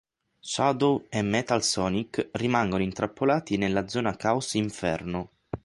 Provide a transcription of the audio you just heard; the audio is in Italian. Shadow e Metal Sonic rimangono intrappolati nella Zona Caos Inferno.